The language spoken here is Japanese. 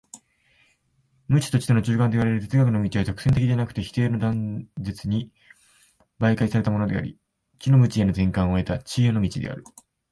無知と知との中間といわれる哲学の道は直線的でなくて否定の断絶に媒介されたものであり、知の無知への転換を経た知への道である。